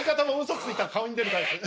ついたら顔に出るタイプ。